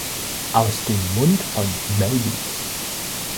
Aus dem Mund von Babys.